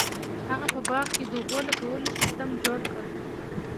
هغه په باغ کې د اوبو لګولو سیستم جوړ کړ.